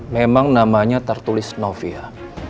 memang namanya tertulis novia